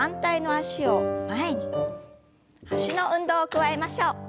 脚の運動を加えましょう。